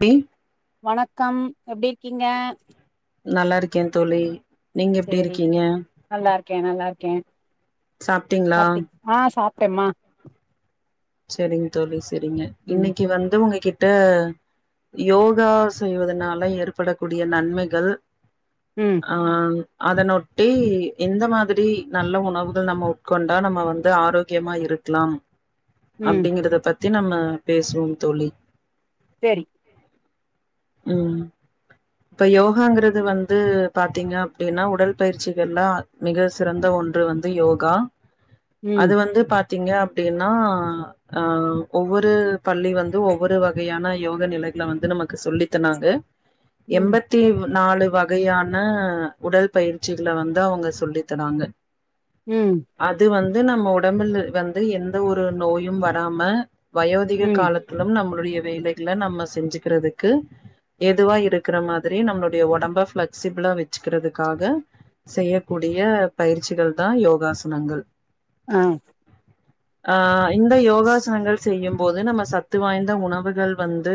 B வணக்கம் எப்டி இருக்கீங்க நல்லா இருக்கேன் தோழி நீங்க எப்டி இருக்கீங்க கே நல்லாருக்கே சாப்ட்டீங்களா சாப்ட்டிங் ஆஹ் சாப் எம்மா சரிங்க தோழிஸ் செரிங்க இன்னைக்கு வந்து உங்க கிட் ட யோகா செய்வதனால ஏற்படக்கூடிய நன்மைகள் ம் ஆஹ் அதனொட்டி எந்த மாதிரி நல்ல உணவுகள் நம்ம உட்கொண்டா நம்ம வந்து ஆரோக்யமா இருக்லாம் ம் அப்டிங்கிறத பத் த்தி நம்ம பேஸ்வோம் தோழி செரி ம் இப்ப யோகாங்கறது வந்து பாத்தீங்க அப்டின்னா உடல் பயிற்சிகள்லா மிக சிறந்த ஒன்று வந்து யோகா ம் அது வந்து பாத் திங்க அப்டின் னா ஆ ஒவ்வொரு பள்ளி வந்து ஒவ்வொரு வகையான யோக நிலைக்ள வந்து நமக்கு சொல்லித்தனாங்க ம் எம்பத்தீவ் நாலு வகையான உடல் பயிற்சிகள வந்து அவ்ங்க சொல்லி தராங்க ம் அது வந் ந்து நம்ம ஒடம்புல்லு வந்து என் த ஒரு நோயும் வராம வயோதிக ம் காலத்லும் நம்முல் உரிய வேலைக்ள நம்ம செஞ்சுக்கிறதுக்கு ஏதுவா இருக்குற மாதிரி நம்ளுடிய ஒடம்ப ஃபெளெக்சிப்ளா வச்சுக்குறதுக்காக செய்யக்கூடிய பயிற்சிகள் தா யோகாஸ்னங்கள் ஆஹ் ஆஹ்ய் இந்த யோகாசனங்கள்ஸ் செய்யும் போது நம்ம சத்து வாய்ந்த உணவுகள் வந்து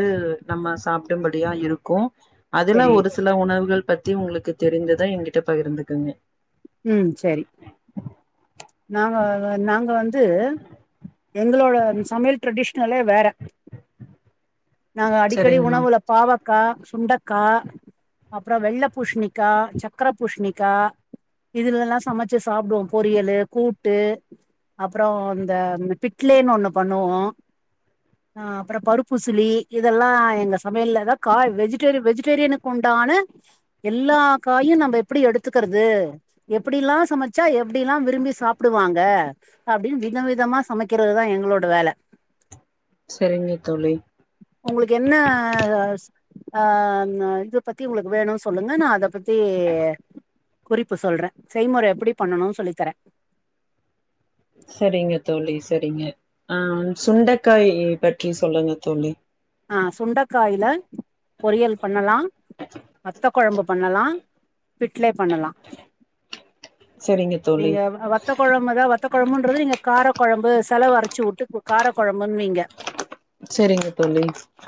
நம்ம சாப்டும்படியா இருக்கு அதெலா சரி ஒரு சில உணவ்கள் பத் தி உங்ளுக்கு தெரிஞ்சத எங்கிட்ட பகிர்ந்துக்குங்க ம் செரி எங்களோட சமையல் ட்ரெடிஷ்னலே வேற நாங்க அடிக்கடி சரிங்மா உணவுல பாவக் கா சுண்டக்கா அப்புறொ வெள்ளப் பூஷ்ணிக்கா சக்கர பூஷ்ணிக்கா இதுலல்லா சமச்சு சாப்டுவோ பொரியலு கூட்டு அப்புறோ இந்த பிட்லேனு ஒண்ணு பண்ணுவோ ந அப்றொ பருப்புசிலி இதெல்லா எங்க சமையல்லதா காய் வெஜிடேரி வெஜிடேரியனுக்குண்டான எல்லா காயு நம்ப எப்டி எடுத்துக்குறது எப்பிடிலா சமச்சா எப்டில்லா விரும்பிஸ் சாப்டுவாங்க அப்டின் வித விதமா சமைக்கிறதுதா எங்களோட வேல சரிங்க தோழி உங்களுக்கு என்னஸ் ஆஹ்ம இது பத்தி உங்ளுக்கு வேணூ சொல்லுங்க நா அத பத் தீ குறிப்பு சொல்றே செய்முற எப்டி பண்ணனு சொல்லித்தரே செரிங்க தோழி செரிங்க ஆ சுண்டக்காய் பற்றி சொல்லுங்க தோழி ஆ சுண்டக்காய்ல பொரியல் பண்ணலா மத்தப் கொழம்பு பண்ணலா பிட் ட்லே பண்ணலா சரிங்க தோழி நீங்கவ் வத்த கொழம்பதா வத்த கொழமுன்றது நீங்க காரொ கொழம்பு செலவு அரச்சிவுட்டுக் கார கொழம்புன்வீங்க செரிங்க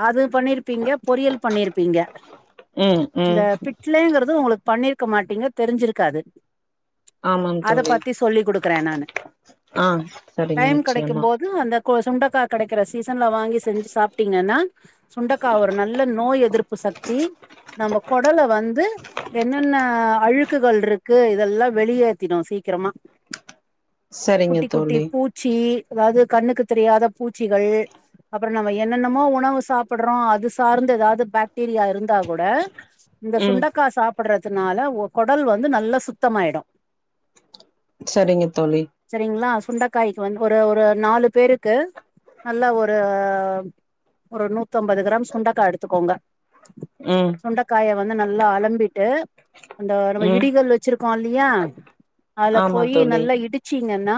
அது பண்ணிருப்பீங்க பொரியல் பண்ணிருப்பீங்க ம் இந்த ம் பிட்லெங்கிறத் து உங்ளுக் பண்ணிருக்க மாட்டீங்க தெரிஞ்சிருக்காது ஆமாம் அத தோழி பத்தி சொல்லிக் குடுக்குறே நானு ஆ சரிங்க டைம் நிச்சயமா கெடைக்கும்போது அந்த கோ சுண்டக்கா கெடைக்கிற சீசன்ல வாங்கி செஞ்சு சாப் டீங்கன்னா சுண்டக்கா ஒரு நல்ல நோய் எதிர்ப்பு சக்தி நம்ப கொடல வந்து என்னென்ன அழுக்குகள்ரிக்கு இதெல்லா வெளியேத்திடு சீக்கிரமா சரிங்க குட்டி குட்டி தோழி பூச்சி எதாவது கண்ணுக்கு தெரியாத பூச்சிகள் அப்பறோ நம்ம என்னென்னமோ உணவு சாப்புட்றோ அது சார்ந்து எதாவது பேக்டீரியா இருந்தா கூட இந்த ம் சுண்டக்கா சாப் ப்புடறதுனால ஒ கொடல் வந்து நல்லா சுத்தமாயிடு செரிங்க தோழி காய்க்கு வந்து ஒரு ஒரு நாலு பேருக்கு நல்லா ஒரு ஆஹ் ஒரு நூத்தம்பது கிராம் சுண்டக்கா எடுத்துக்கோங்க ம் சுண்டக்காய வந்து நல்லா அலம் பிட்டு அந்த நம்ம ம் இடிகள் வெச்சிருக் காலியா அதுல ஆமா போயி தோழி நல்லா இடிச்சீங்கன்னா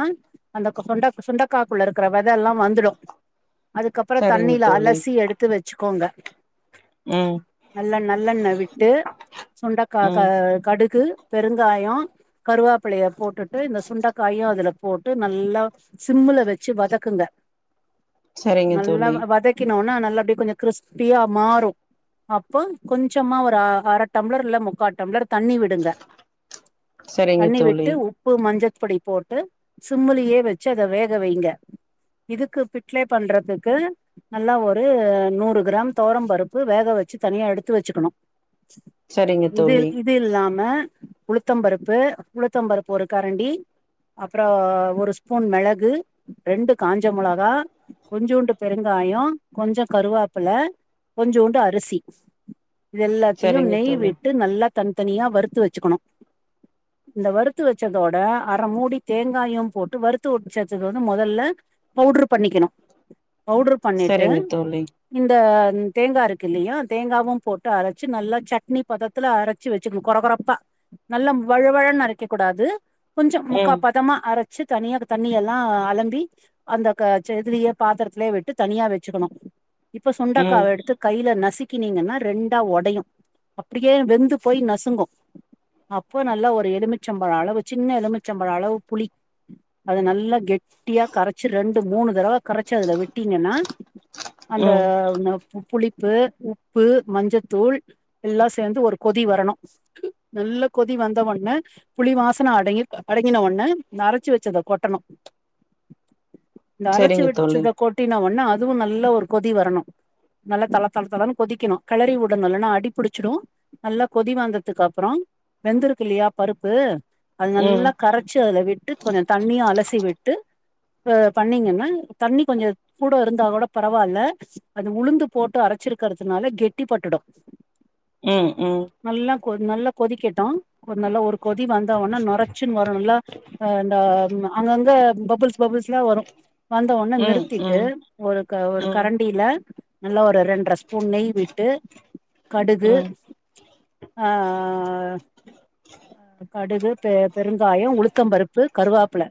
அந்த கோ சுண்ட சுண்டக்காக்குள்ள இருக்கிற வெத‌ எல்லா வந்துறு அதுக்கப் சரிங்க தண்ணில தோழி அலசி எடுத்து வெச்சுக்கோங்க ம் நல்லா நல்லெண்ண விட்டு சுண்டக்கா க ம் கடுகு பெருங்காயோ கருவேப்பிள்ளைய போட்டுட்டு இந்த சுண்டக்காயு அதுல போட்டு நல்லா சிம்முல வெச்சு வதக்குங்க செரிங்க தோழி தக்கிணோன்ன நல்லா அப்டியே கொஞ்சோ கிறிஸ்பியா மாறு அப்போ கொஞ்சமா ஒரு ஆ அர டம்ளர் இல்ல முக்கா டம்ளர் தண்ணி விடுங்க சரிங்க தண்ணி தோழி விட்டு உப்பு மஞ்ச ப்பொடி போட்டு சிம்முலயே வெச்சு அத வேக வெய்ங்க இதுக்கு பிட்லே பண்றதுக்கு நல்லா ஒரு நூறு கிராம் தொவரம் பருப்பு வேக வெச்சு தனியா எடுத்து வெச்சுக்குணு சரிங்க இது தோழி இது இல்லாம உளுத்தம் பருப்பு உளுத்தம் பருப்பு ஒரு கரண்டி அப்புறோ ஒரு ஸ்பூன் மெளகு ரெண்டு காஞ்ச மொளகா கொஞ்சூண்டு பெருங்காயோ கொஞ்சோ கருவாப்பிள்ள கொஞ்சோண்டு அரிசி இது எல்லாத்தியு சரிங்க நெய் தோழி விட்டு நல்லா தன் தனியா வறுத்து வெச்சுக்குணு இந்த வறுத்து வேச்சதோட அர மூடி தேங்காயும் போட்டு வறுத்து விட்டு சேத்துக்கிறதும் மொதல்ல பவுடர் பண்ணிக்குணு பவுட்ர் பண்ணிட்டு சரிங்க தோழி இந்த தேங்கா இருக் கில்லையா தேங்காவும் போட்டு அரச்சு நல்லா சட்னி பதத்துல அரச்சு வெச்சுக்னு கொரகொரப்பா நல்ல வழுவழன் அரைக்க கூடாது கொஞ்சம் முக்கா ம் பதமா அர சு தனியா தண்ணிய எல்லா அலம்பி அந்த க ச இதுலியே பாத்தரத்லியே விட்டு தனியா வெச்சுக்குணு இப்ப ம் சுண்டக்காவ எடுத்து கையில ந சிக்கினிங்கன்னா ரெண்டா ஒடயு அப்டியே வெந்து போய் நசுங்கு அப்ப நல்லா ஒரு எலுமிச்சம் பழோ அளவு சின்ன எலுமிச்சம் பழோ அளவு புளி அத நல்லா கெட்டியா கரச்சு ரெண்டு மூணு தடவ கரச்சு அதுல விட்டீங்கன்னா அந்த ம் ந ப் புளி ப்பு உப்பு மஞ்சத்தூள் எல்லா சேந்து ஒரு கொதி வரணு நல்லா கொதி வந்த ஒன்னே புளி வாசன அடயி அடங்கின ஒன்ன நரச்சு வெச்சத கொட்டணு இந்த அரச்சி சரிங்க வி தோழி ச்சுத கொட்டின ஒன்ன அ அதுவு நல்ல ஒரு கொதி வரணு நல்ல தளத்தளதளனு கொதிக்கணு கெளறி உடனு இல்லன்னா அடிபிடிச்சிடு நல்லா கொதி வந்ததுக்கப்புறோ வெந்துருக்கு இல்லியா பருப்பு அது ம் நல்லா கரச்சு அதல விட்டு கொஞ்சோ தண்ணியு அலசி விட்டு அ பண்ணீங்கன்னா தண்ணி கொஞ்சோ கூட இருந்தா கூட பரவால்ல அது உளுந்து போட்டு அரைச்சிருக்கிறதுனால கெட்டி பட்டுடு ம் ம் கொது நல்லா கொதிக்கட்டு ஒரு நல்லா ஒரு கொதி வந்த ஒன்ன நொறச்சுன் வருல்லா அ ட ம் அங்கங்க பபுள்ஸ் பபுள்ஸ்லா வரு ஒன்ன ம் ம் நிறுத்திட்டு ஒரு க ஒரு ம் கரண்டில நல்லா ஒரு ரெண்டர ஸ்பூன் நெய் விட்டு கடுகு ம் ஆ கடுகு பெ பெருங்காயோ உளுத்தம் பருப்பு கருவாப்ல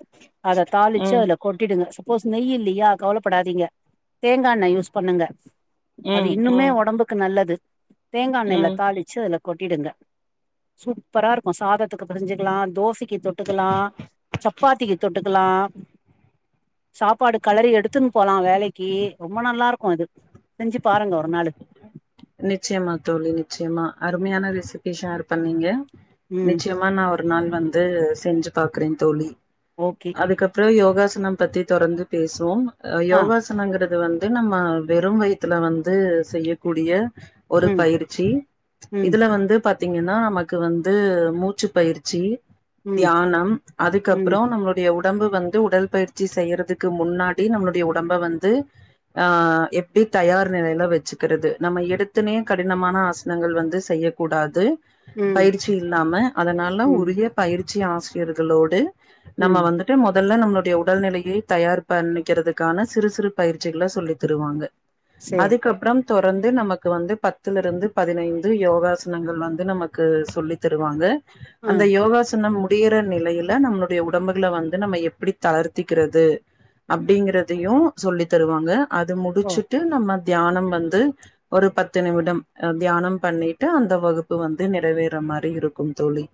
அத தாளிச்சு ம் அதுல கொட்டிடுங்க சப்போஸ் நெய் இல்லியா கவலப்படாதீங்க தேங்காண்ண யூஸ் பண்ணுங்க அது ம் இன்னுமே ம் ஒடம்புக்கு நல்லது தேங்கா எண்ணைல ம் தாளிச்சு அதுல கொட்டிடுங்க சூப்பராருக்கு சாதத்துக்கு பெசஞ்சிக்கலா தோச க்கி தொட்டுக்கல்லா சப் ப்பாத்திக்கி தொட்டுக்கல்லா சாப்பாடு களறி எடுத்துன் போலா வேலைக்கி ரொம்ப நல்லாருக்கு இது செஞ்சு பாருங்க ஒரு நாளு நிச்சயமா தோழி நிச்சயமா அருமையான ரெசிபி ஷேர் பண்ணீங்க ம் நிச்சயமா நா ஒரு நாள் வந்து செஞ்சு பாக்கறே தோழி ஓகே அதுக்கப்றோ யோகா ன்ன பத்தி தொடர்ந்து பேசுவோம் ஆ யோகாசனங்கிறது வந் து நம்ம வெறு வயித்துல வந்து செய்யக்கூடிய ஒரு ம் பயிற்சி ம் இதுல வந்து பாத்தீங் ன்னா நமக்கு வந்து மூச்சு பயிற்சி ம் தியானம் அதுக்கப்பற ம் நம்மளுடைய உ உடம்பு வந்து உடல் பயிற்சி செய்யறதுக்கு முன்னாடி நம்மளுடைய உடம்ப வந்து ஆஹ் எப்டி தயார் நிலையில வச்சுக்கிறது நம்ம எடுத் துன்னயே கடினமான ஆசனங்கள் வந்து செய்யக்கூடாது ம் பயிற்சி இல்லாம அதனால ம் உரிய பயிற்சி ஆச ரியர்களோடு நம்ம ம் வந்துட்டு மொதல்ல நம்ம நம்முடைய உடல்நிலையை தயார் பண்ணிக்கறதுக்கான சிறு சிறு பயிற்சிகள சொல்லித் தருவாங்க சேரி அதுக்கப்பறம் தொ டர்ந்து நமக் து வந்து பத்துல இருந்து பதினைந்து யோகாசனங்கள் வந்து நமக்கு சொல்லி தருவாங்க ஆ அந்த யோகாசனம் மு முடியற நிலையில நம்மளுடைய உடம்புகளை வந்து நம்ம எப்படி தளர்த்திக்கிறது அப்டிங்கறதையு சொல்லி தருவாங்க அது ஓ முடிச்சுட்டு நம்ம தியானம் வந்து ஒரு பத்து நிமிடம் தியானம் பண்ணிட்டு அந்த வகுப்பு வந்து நிறைவேற மாறி இருக்கும் தோழி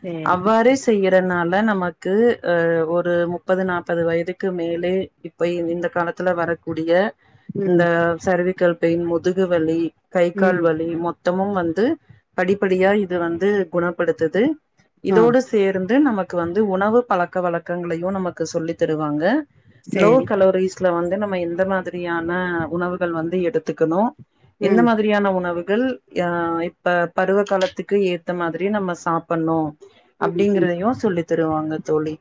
சேரி அவ்வாறே செய்ய இதனால நமக்கு ஒரு முப்பது நாப்பது வயதுக்கு மேலே இப்போ இந்த காலத்துல வரக்கூடிய ம் இந்த சருவி கல் பெயின் முதுகுவலி கை கால் ம் வலி மொத் த்தமு வந்து படிப்படியா இது வந்து குணப்படுத்துது ஆ இதோடு சேர்ந்து நமக் கு வந்து உணவு பழக்க வழக்கங்களையு நமக்கு சொல்லித்தருவாங்க லோ சேரி கலோரிஸ் ல வந்து நம்ம எந்த மாதிரியான உணவுகள் வந்து எடுத்துக்கணு எந்த ம் மாதிரியான உணவு கள் இப்ப பருவ காலத்துக்கு ஏத்த மாதிரி நம்ம சாப்பட்ணு ம் ம் அப்படிங்கறதயு சொல்லி தருவாங்க தோழி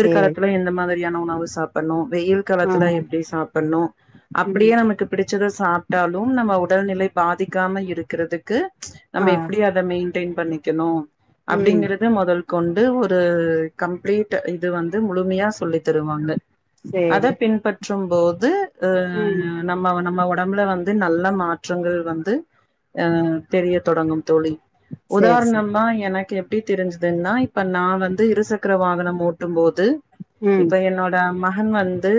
சேரி எந்த மாதிரியான உணவு சாப்பட்ணு வெயில் ஆ காலத்துல எப்படி சாப்பட்ணு அப்டியே ம் நமக்கு பிடிச்சத சாப்ட்டா நம்ம உடல்நிலை பாதிக்காம இருக்கறதுக்கு ஆ நம்ம எப்படி அத மெயின் டெய்ன் பண்ணிக்கணு ம் அப்படிங்கறது மொதல் கொண்டு ஒரு கம்ப்ளீட் இது வந்து முழுமையா சொல்லி தருவாங்க அத சேரி பின்பற் ற்றும்போது து ம் நம்ம நம்ம ஒ நம்மள வந் நல்ல மாற்றங்கள் வந்து ஆஹ் தெரியத் தொடங்கும் தோழி சேரி சேரி உதாரணமா எனக்கு எப் எப்டி தெரிஞ்சதுன்னா இப்ப நா வந்து இருசக்கர வாகனம் ஓட்டும் போது ம் இப்ப என்னோட அம்மா ன் வந்து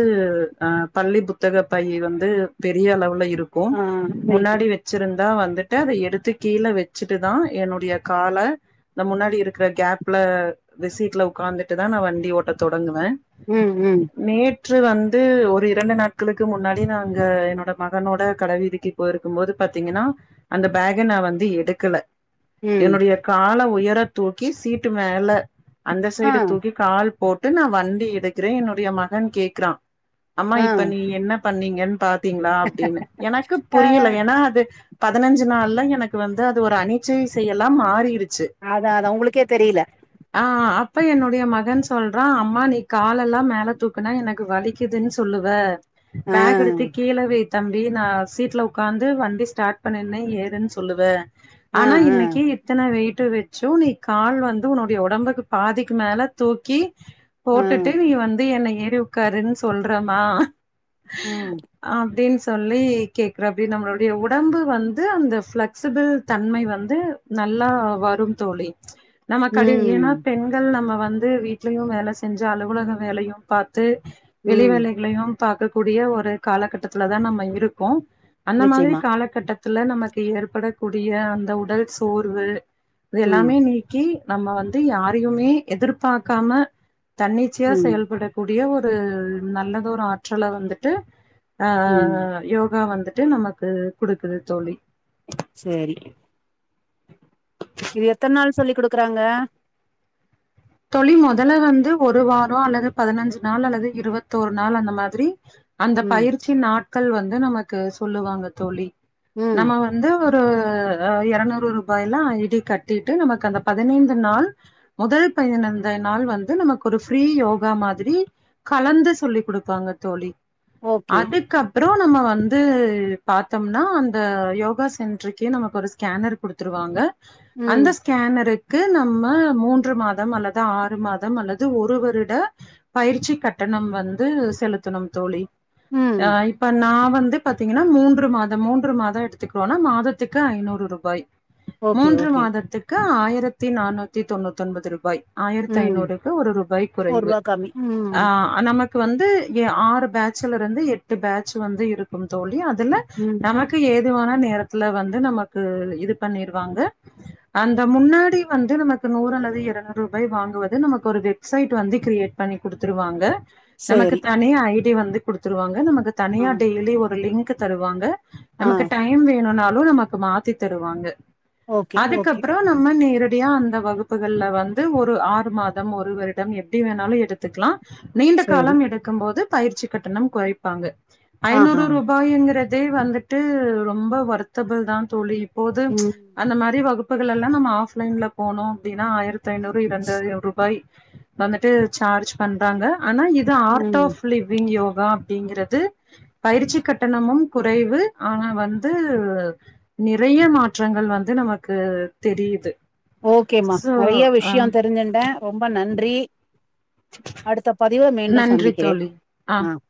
அ பள்ளி புத்தக பை வந்து பெரிய அளவுல இரு கோன் ஆ ரைட்டு முன்னாடி வச்சிருந் தா வந்துட்டு அத எடுத்து கீழ வச்சுட்டுதா என்னுடைய கால இந்த முன்னாடி இருக்கிற கேப்ல விசீட்ல உட்கார்ந்துட்டுதா நா வண்டி ஓட்ட தொடங்குவே ம் ம் நேற்று வந் து ஒரு இரண்டு நாட்களுக்கு முன்னாடி நாங்க என்னோட மகனோட கடவீதிக்கு போயிருக்கும்போது பாத்தீங்கன்னா அந்த பேக்க நா வந்து எடுக்கல ம் என்னுடைய கால உயரத் தூக்கி சீட்டு மேல அந்த சைடு ஆ தூக்கி கால் போட்டு நா வண்டி எடுக்கிறே என்னுடைய மகன் கேக்குறா அம்மா ஆ இப்ப நீ என்ன பண்ணீங்கன்னு திங்ளா அப்படின்னு எனக்கு ஆ புரியல ஏன்னா அது பதினஞ்சு நாள்ல எனக்கு வந்து அது ஒரு அனிச்சை செயலா மாறிருச் அதா அதா உங்களுக்கே தெரில ஆ அப்ப என்னுடைய மகன் சொல்றா அம்மா நீ காலல்லா மேல தூக்குனா எனக்கு வலிக்குதுன்னு சொல்லுவ ஆ பேக் எடுத்து கீழ வை தம்பி நா சீட்ல உக்காந்து வண்டி ஸ்டார்ட் பண்ணனே ஏறுன்னு சொல்லுவ ஆ ஆனா ஆ இன்னைக்கு இத்தன வெயிட் ட்டு வச்சு நீ கால் வந்து உன்னுடைய உடம்புக்கு பாதிக்கு மேல தூக்கி ஆ போட்டுட்டு நீ வந்து என்னை எ ழுப்பி உக்காருன்னு சொல்றமா ம் அப்டின் சொல்லி கேக்கிறாப்டி நம்ளுடைய உடம்பு வந்து அந்த பிளெக்சிபிள் தன்மை வந்து நல்லா வரும் தோழி ப்ச் நம்ம கடி ஏனா ம் பெண்கள் நம்ம வந்து வந்து வீட்லயு வேலை செஞ்சு அலுவலக வேலையு பா த்து வெளி ம் வேலைகளையு பாக்கக்கூடிய ஒரு காலகட்டத்துலதா நாம் இருக்கோ அந்த மாரி நிச்சயமா காலகட்டத் துல நமக்கு ஏற்படக்கூடிய அந்த உடல் சோர்வு இது ம் எல்லாமே நீக்கி நம்ம வந்து யாரையுமே எதிர்பார்க்காம தன்னிச்சையா ம் செயல்படக்கூடிய ஒரு ஒரு நல்லதோர் ஆற்றல வந்துட்டு ஆஹ் ம் ஆஹ் ஆஹ் யோகா வந்துட்டு நமக்கு குடுக்குது தோழி செரி சொல்லி குடுக்குறாங்க தோழி முதல்ல வந்து ஒரு வாரோ அல்லது பதினஞ்சு நாள் அல்லது இருவத்தோர் நாள் அந்த மாதிரி அந்த ம் பயிற்சி நாட் கள் வந்து நமக்கு சொல்லுவாங்க தோழி ம் நம்ம வந்து இருநூறு ரூபாயல ஐ டி கட்டிட்டு நமக்கு அந்த பதினைந்து நாள் முதல் பதினைந்து நாள் வந்து நமக்கு ஒரு ஃப்ரீ யோகா மாதிரி கலந்து சொல்லி குடுப்பாங்க தோழி ஓகே அதுக்கப் றோ நம்ம வந்து பாத்தோம்னா அந்த யோகா சென்டருக்கே நமக்கு ஒரு ஸ்கேனர் குடுத்துருவாங்க ம் அந்த ஸ்கேனரு க்கு நம்ம மூன்று மாத ம் அல்லது ஆறு மாதம் அல்லது ஒருவட பயிற்சி கட்டணம் வந்து செலுத்தணும் தோழி ம் ஆஹ் இப்ப நா வந்து பாத்தீங்கன்னா மூன்று மாதம் மூன்று மாதோ எடுத்துக்குறோம்னா மாதத்துக்கு ஐநூறு ரூபாய் ஓகே மூன்று ஓகே மாதத்துக்கு ஆயிரத் த்தி நானூத்தி தொண்ணுத்தொன்பது ரூப் பாய் ம் ஆயிரத்தைநூறுக்கு ஒரு ரூபாய் குறைவு ஒருவா கம்மி ம் ஆஹ் நமக் கு வந்து எ ஆறு பேட்சல இருந்து எட்டு பேட்ச் வந்து இருக்கும் தோழி அ துல ம் நமக்கு ஏ துவான நேரத்துல வந்து நமக்கு இது பண்ணிருவாங்க அந்த முன்னாடி வந்து நமக்கு நூறு அல்லது எறநூறு ரூபாய் வாங்குவது நமக்கு ஒரு வெப்சைட் வந்து கிரியேட் பண்ணி குடுத்துருவாங்க நமக்கு சரி தனி ஐடி வந்து குடுத்துருவாங்க நமக் கு ஆ தனியா டெய்லி ஒரு லிங்க் கு தருவாங்க ஆ நமக்கு டைம் வேணுனால் லு நமக்கு மாத்தி தருவாங்க ஓகே ஓகே அதுக்கப்றோ நம்ம நேரத் டியா அந்த வகுப்புகள்ல வந் து ஒரு ஆறு மாதம் ஒரு வருடம் எப்டி வேணாலு எடுத்துக்லா நீண்ட சரி காலம் எடுக்கும்போது பயிற்சி கட்டணம் குறைப்பாங்க ஐநூறு ஆஹா ரூபாயங்குற இதே வந்துட்டு ரொம்ப வொர்த்தபுல் தா தோழி போது ம் அந்த மாரி வகுப் புகள் எல்லா நம்ம ஆப்லைன்ல போனோ அப்டினா ஆயிரத் தைன்நூறு இரண்டாயிரொ ரூபாய் வந்துட்டு சார்ஜ் பண்றாங்க ஆனா இது ஆர்ட் ம் ஆஃப் லிவ்விங் யோ வா அப்டிங்கிறது பயிற்சி கட்டணமும் குறைவு ஆனா வந்து நிறைய மாற்றங்கள் வந்து நமக்கு தெரியிது ஓகேமா நெறையா வி விஷயோ தெரிஞ்சுன்டே ரொம்ப நன்றி அடுத்த பத் திவ மீண்டும் நன்றி சந்திக்கிறே தோழி ஆ ஆஹ்